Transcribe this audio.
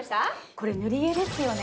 これぬり絵ですよね？